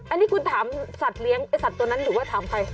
อันนี้คุณถามสัตว์เลี้ยงไอ้สัตว์ตัวนั้นหรือว่าถามใคร